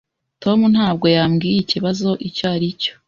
Tom ntabwo yambwiye ikibazo icyo ari cyo.